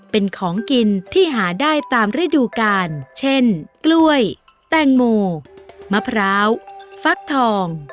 เป็นของกินที่หาได้ตามฤดูกาลเช่นกล้วยแตงโมมะพร้าวฟักทอง